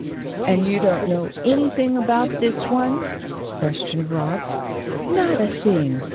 "And you don't know anything about this one?" questioned Rob. "Not a thing.